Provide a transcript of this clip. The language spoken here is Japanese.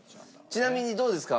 ちなみにどうですか？